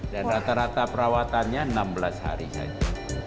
dan rata rata perawatannya enam belas hari saja